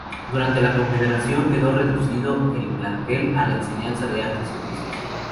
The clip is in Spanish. Durante la Confederación quedó reducido el plantel a la enseñanza de artes y oficios.